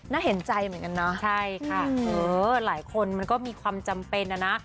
น่าเห็นใจเหมือนกันนะอื้อหลายคนมันก็มีความจำเป็นอะนะ